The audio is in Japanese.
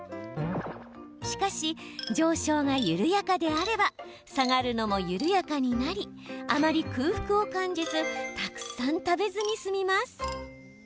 しかし上昇が緩やかであれば下がるのも緩やかになりあまり空腹を感じずたくさん食べずに済みます。